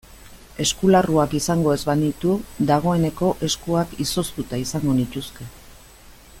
Eskularruak izango ez banitu dagoeneko eskuak izoztuta izango nituzke.